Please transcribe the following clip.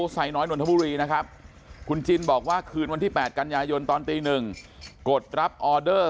ไซน้อยนนทบุรีนะครับคุณจินบอกว่าคืนวันที่๘กันยายนตอนตี๑กดรับออเดอร์